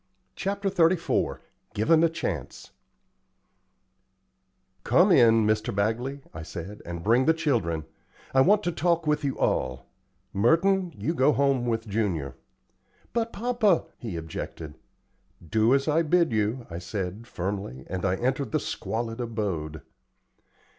CHAPTER XXXIV GIVEN A CHANCE "Come in, Mr. Bagley," I said, "and bring the children. I want to talk with you all. Merton, you go home with Junior." "But, papa " he objected. "Do as I bid you," I said, firmly, and I entered the squalid abode.